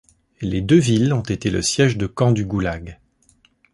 Les deux villes ont été le siège de camps du Goulag.